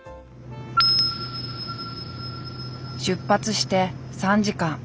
出発して３時間。